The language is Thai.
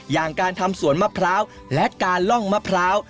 อย่างการทำสวนมะพร้าวและการล่องมะพร้าว